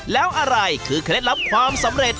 แล้วอะไรคือเคล็ดลับความสำเร็จ